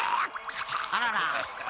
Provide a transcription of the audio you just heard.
あらら。